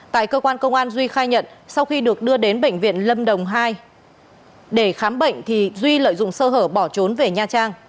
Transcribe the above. tại cơ quan công an duy khai nhận sau khi được đưa đến bệnh viện lâm đồng hai để khám bệnh thì duy lợi dụng sơ hở bỏ trốn về nha trang